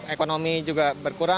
ekonomi juga berkualitas